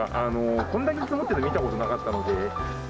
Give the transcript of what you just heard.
こんだけ積もってるの見たことなかったんで。